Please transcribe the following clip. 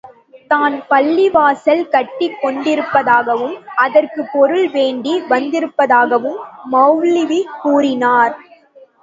தான் பள்ளிவாசல் கட்டிக் கொண்டிருப்பதாகவும் அதற்குப் பொருள் வேண்டி வந்திருப்பதாகவும் மவுல்வி கூறினார்.